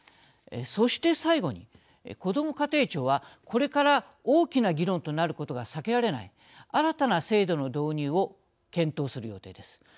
そして最後にこども家庭庁はこれから大きな議論となることが避けられない新たな制度の導入を検討する予定です。